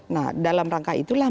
nah dalam rangka itulah